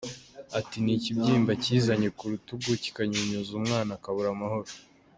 Ati “Ni ikibyimba kizanye ku rutugu, kikanyunyuza umwana, akabura amahoro.